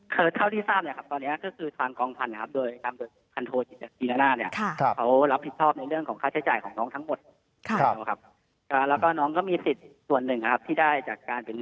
คราวที่สามตอนนี้ก็คือทางกองพันธุ์